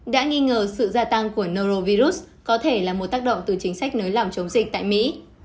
đã nghi ngờ sự gia tăng của narovirus có thể là một tác động từ chính sách nới lỏng chống dịch tại mỹ